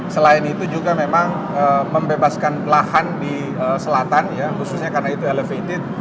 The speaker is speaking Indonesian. selain itu juga memang membebaskan lahan di selatan ya khususnya karena itu elevated